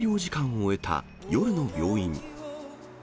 診療時間を終えた夜の病院。